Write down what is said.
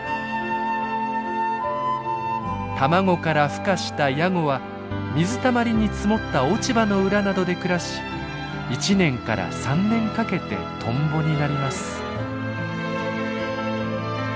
卵からふ化したヤゴは水たまりに積もった落ち葉の裏などで暮らし１年から３年かけてトンボになります。